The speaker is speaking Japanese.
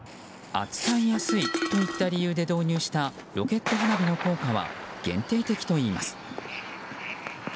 扱いやすいといった理由で導入したロケット花火の効果は限定的といいます。